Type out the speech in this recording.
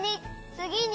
「つぎに」